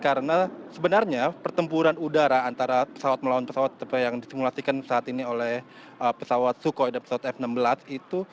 karena sebenarnya pertempuran udara antara pesawat melawan pesawat yang disimulasikan saat ini oleh pesawat sukhoi dan pesawat f enam belas itu